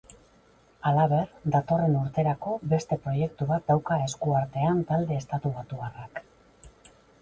Halaber, datorren urterako beste proiektu bat dauka esku artean talde estatubatuarrak.